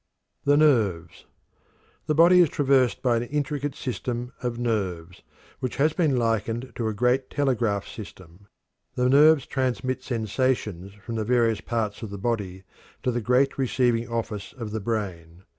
THE NERVES. The body is traversed by an intricate system of nerves, which has been likened to a great telegraph system. The nerves transmit sensations from the various parts of the body to the great receiving office of the brain.